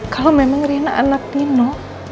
kalau memang rena anak nino